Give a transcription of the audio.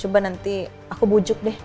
coba nanti aku bujuk deh